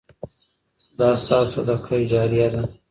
دا ستاسو صدقه جاریه ده.